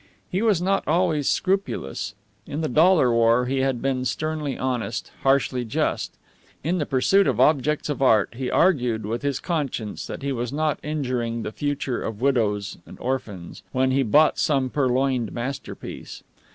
He was not always scrupulous. In the dollar war he had been sternly honest, harshly just. In pursuit of objects of art he argued with his conscience that he was not injuring the future of widows and orphans when he bought some purloined masterpiece.